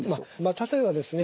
例えばですね